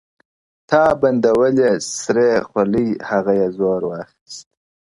تا بندولې سرې خولۍ هغه یې زور واخیست,